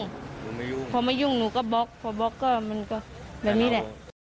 ไม่ยุ่งพอไม่ยุ่งหนูก็บล็อกพอบล็อกก็มันก็แบบนี้แหละ